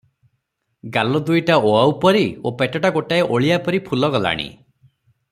ଗାଲ ଦୁଇଟା ଓଆଉପରି ଓ ପେଟଟା ଗୋଟାଏ ଓଳିଆପରି ଫୁଲଗଲାଣି ।